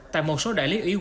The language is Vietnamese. tại một số đại lý ủy quyền